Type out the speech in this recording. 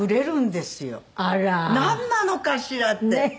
なんなのかしらって。